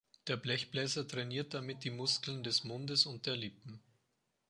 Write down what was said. Der Blechbläser trainiert damit die Muskeln des Mundes und der Lippen.